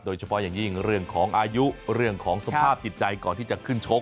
โดยเฉพาะอย่างยิ่งเรื่องของอายุเรื่องของสภาพจิตใจก่อนที่จะขึ้นชก